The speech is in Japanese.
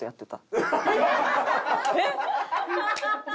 えっ？